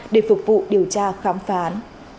để phục vụ điều tra khám phán